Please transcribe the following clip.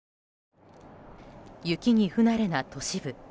雪に不慣れな都市部。